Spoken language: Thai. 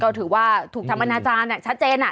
ก็ถือว่าถูกทำอนาจารย์ชัดเจน